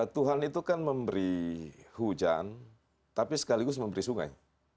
tuhan itu kan memberi hujan tapi sekaligus memberi sungai